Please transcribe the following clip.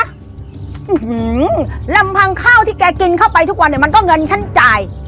ฮือหือลำพังข้าวที่แกกินไปทุกวันมันก็เงินชั้นจ่าย